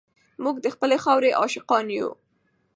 موږ د خپلې خاورې عاشقان یو.